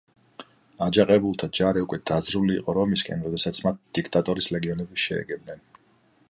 აჯანყებულთა ჯარი უკვე დაძრული იყო რომისკენ, როდესაც მათ დიქტატორის ლეგიონები შეეგებნენ.